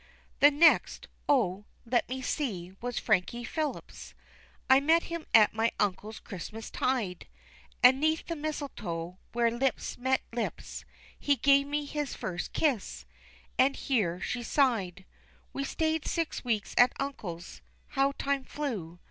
"The next oh! let me see was Frankie Phipps, I met him at my uncle's Christmas tide; And 'neath the mistletoe, where lips met lips, He gave me his first kiss" and here she sighed; "We stayed six weeks at uncle's how time flew!